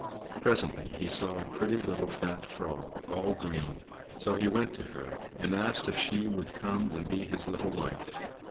Presently he saw a pretty little fat frog, all green. So he went to her and asked if she would come and be his little wife.